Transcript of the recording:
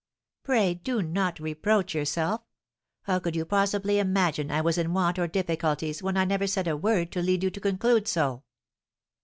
"Pray do not reproach yourself. How could you possibly imagine I was in want or difficulties when I never said a word to lead you to conclude so?